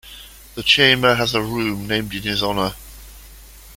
The Chamber has a room named in his honour.